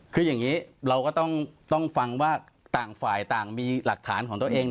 คืออย่างนี้เราก็ต้องฟังว่าต่างฝ่ายต่างมีหลักฐานของตัวเอง